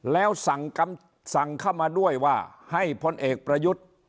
แล้วสั่งเข้ามาด้วยว่าให้พลเอกประยุทธ์